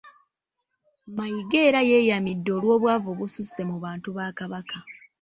Mayiga era yenyamidde olw'obwavu obususse mu bantu ba Kabaka